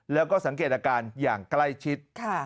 แล้วก็สังเกตอาการอย่างใกล้ชิด